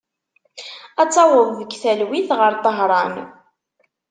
Ad taweḍ deg talwit ɣer Tahran.